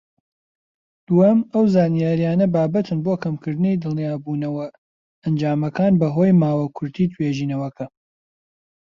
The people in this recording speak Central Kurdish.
دووەم، ئەو زانیاریانە بابەتن بۆ کەمکردنی دڵنیابوونەوە ئەنجامەکان بەهۆی ماوە کورتی توێژینەوەکە.